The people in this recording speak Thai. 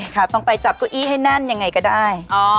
ขาตรงไปจับกุ้๖๖๒๔๒อย่างไรก็ได้